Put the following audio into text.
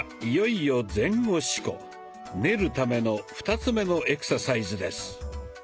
いよいよ「練る」ための２つ目のエクササイズです。